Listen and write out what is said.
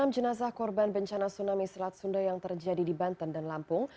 tiga ratus enam puluh enam jenazah korban bencana tsunami selat sunda yang terjadi di banten dan lampung